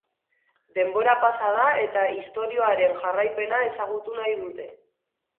Denbora pasa da eta istorioaren jarraipena ezagutu nahi dute.